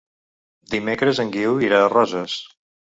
Dimecres en Guiu irà a Roses.